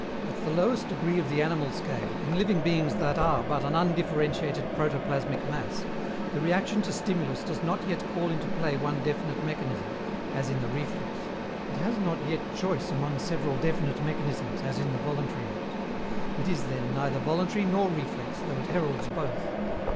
At the lowest degree of the animal scale, in living beings that are but an undifferentiated protoplasmic mass, the reaction to stimulus does not yet call into play one definite mechanism, as in the reflex; it has not yet choice among several definite mechanisms, as in the voluntary act; it is, then, neither voluntary nor reflex, though it heralds both.